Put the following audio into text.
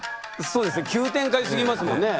そうですね急展開すぎますもんね。